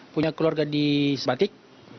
punya keluarga di sepatik